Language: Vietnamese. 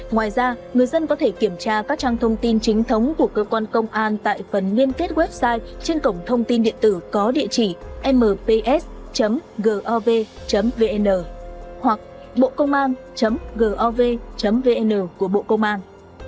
ngoài ra người dân có thể kiểm tra các trang thông tin chính thống của cơ quan công an tại phần liên kết website trên cổng thông tin điện tử có địa chỉ mps gov vn hoặc bộcôngan gov vn của bộ công an